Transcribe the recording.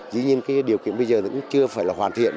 dĩ nhiên điều kiện bây giờ chưa phải là hoàn thiện